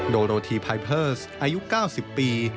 โดยโรธีไพเพอร์สอายุ๙๐ปี